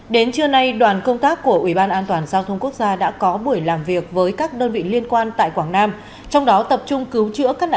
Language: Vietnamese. đến trưa nay đoàn công tác của ubnd đã có buổi làm việc với các đơn vị liên quan tại quảng nam trong đó tập trung cứu chữa các nạn nhân